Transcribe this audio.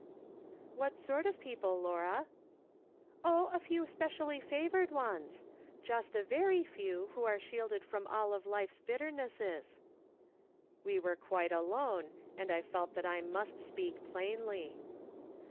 " What sort of people, Laura ?"" Oh, a few specially favoured ones. Just a very few who are shielded from all life's bitternesses." "We were quite alone, and I felt that I must speak plainly.